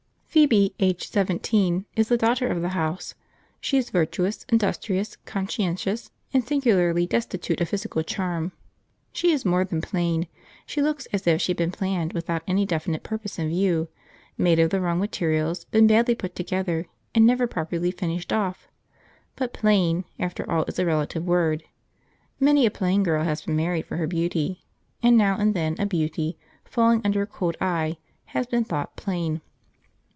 Phoebe, aged seventeen, is the daughter of the house. She is virtuous, industrious, conscientious, and singularly destitute of physical charm. She is more than plain; she looks as if she had been planned without any definite purpose in view, made of the wrong materials, been badly put together, and never properly finished off; but "plain" after all is a relative word. Many a plain girl has been married for her beauty; and now and then a beauty, falling under a cold eye, has been thought plain.